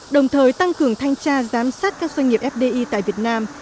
đồng thời tăng cường thanh tra giám sát các doanh nghiệp fdi tại việt nam